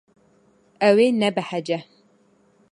Ew ê nebehece.